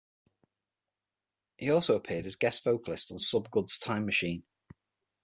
He also appeared as guest vocalist on SubGud's Time Machine.